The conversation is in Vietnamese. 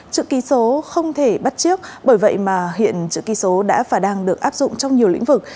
chữ ký số không thể bắt trước bởi vậy mà hiện chữ ký số đã và đang được áp dụng trong nhiều lĩnh vực